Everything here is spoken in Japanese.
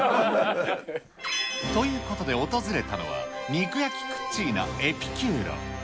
ということで、訪れたのはニクヤキクッチーナエピキューロ。